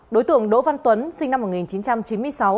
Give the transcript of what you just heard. đối tượng đỗ văn tuấn sinh năm một nghìn chín trăm chín mươi sáu